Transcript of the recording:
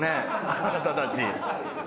あなたたち。